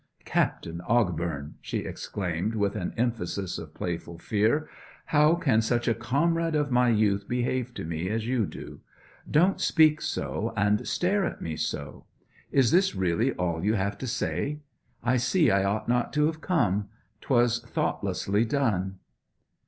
'Captain Ogbourne!' she exclaimed, with an emphasis of playful fear. 'How can such a comrade of my youth behave to me as you do? Don't speak so, and stare at me so! Is this really all you have to say? I see I ought not to have come. 'Twas thoughtlessly done.'